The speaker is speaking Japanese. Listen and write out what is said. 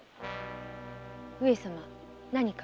上様何か？